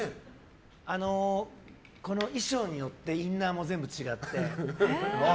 衣装によってインナーも全部違って。